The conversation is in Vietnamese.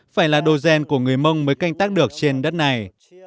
phải là đồ rèn của người mông mới canh tác được trên đất này